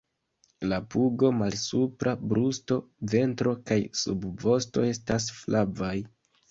La pugo, malsupra brusto, ventro kaj subvosto estas flavaj.